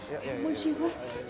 ya ampun sipa